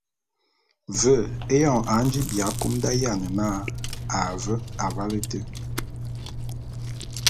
Ve éyoñ a nji bi akum d’ayiane na a ve avale éte.